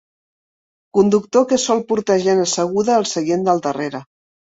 Conductor que sol portar gent asseguda al seient del darrere.